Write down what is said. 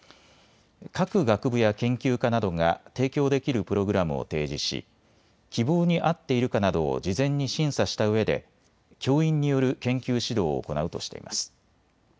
各学部や研究科などが提供できるプログラムを提示し希望に合っているかなどを事前に審査したうえで教員による研究指導を行うとしています。